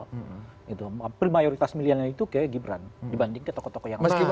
pemilihan mayoritasnya itu kayak gibran dibanding ke tokoh tokoh yang lain